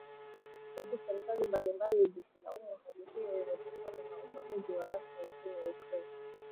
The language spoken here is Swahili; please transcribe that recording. huku serikali mbalimbali zikilaumu hali hiyo imetokana na uvamizi wa Russia nchini Ukraine